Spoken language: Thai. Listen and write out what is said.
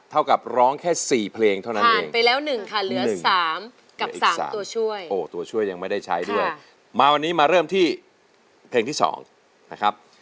ถ้าพร้อมอินโทรเพลงที่สองมาเลยครับ